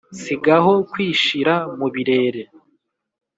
sigaho kwishira mu birere